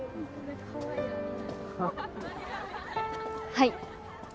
はい。